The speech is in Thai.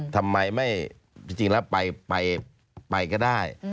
ทำไมไม่จริงแล้วไปก็ได้